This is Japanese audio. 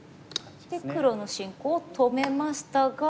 黒の進行を止めましたが。